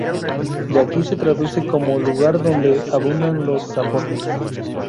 De aquí se traduce como "Lugar donde abundan los zapotes".